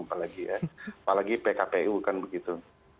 apalagi ya apalagi pkp bukan begitu